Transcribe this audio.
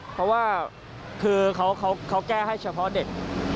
เพราะว่าคือเขาแก้ให้เฉพาะเด็ก